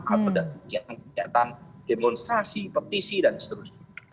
atau di tempat demonstrasi petisi dan seterusnya